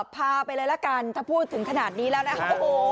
พาไปเลยละกันถ้าพูดถึงขนาดนี้แล้วนะ